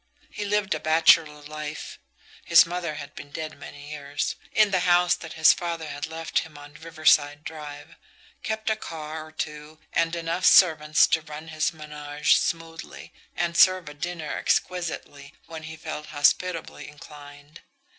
He lived a bachelor life his mother had been dead many years in the house that his father had left him on Riverside Drive, kept a car or two and enough servants to run his menage smoothly, and serve a dinner exquisitely when he felt hospitably inclined.